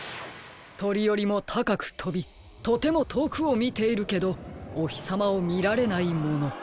とりよりもたかくとびとてもとおくをみているけどおひさまをみられないもの。